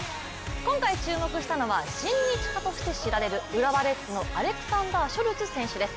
今回注目したのは親日家として知られる浦和レッズのアレクサンダー・ショルツ選手です